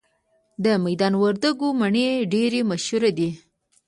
د میدان وردګو مڼې ډیرې مشهورې دي